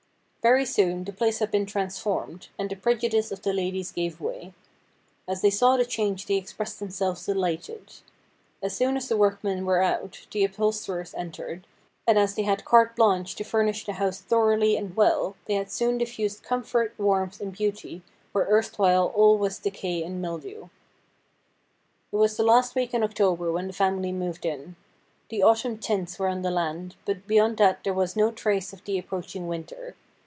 Very soon the place had been transformed, and the prejudice of the ladies gave way. As they saw the change they ex pressed themselves delighted. As soon as the workmen were out, the upholsterers entered, and as they had carte blanche to furnish the house thoroughly and well, they had soon diffused comfort, warmth, and beauty where erstwhile all was decay and mildew. It was the last week in October when the family moved in. The autumn tints were on the land, but beyond that there was no trace of the approaching winter.